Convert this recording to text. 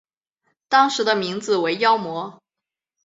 当时的名字为妖魔。